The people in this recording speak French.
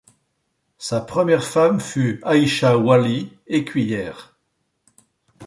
Sa première femme fut Aïcha Ouali, écuyère.